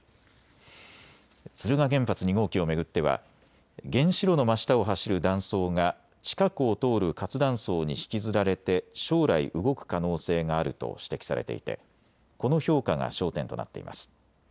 敦賀原発２号機を巡っては原子炉の真下を走る断層が近くを通る活断層に引きずられて将来動く可能性があると指摘されていてこの評価が焦点となっています。